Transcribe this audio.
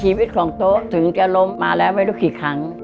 ชีวิตของโต๊ะถึงจะล้มมาแล้วไม่รู้กี่ครั้ง